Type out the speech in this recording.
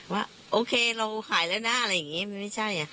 ว่าโอเคเราขายแล้วนะอะไรอย่างนี้มันไม่ใช่